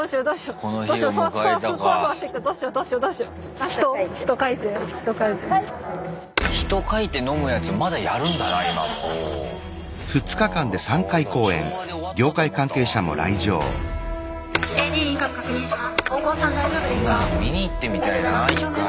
こんなの見に行ってみたいな一回。